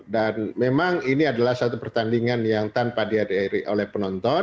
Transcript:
memang ini adalah satu pertandingan yang tanpa dihadiri oleh penonton